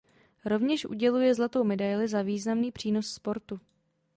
Rovněž uděluje zlatou medaili za významný přínos sportu.